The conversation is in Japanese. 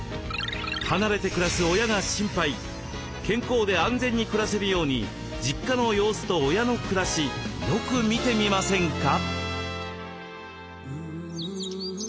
健康で安全に暮らせるように実家の様子と親の暮らしよく見てみませんか？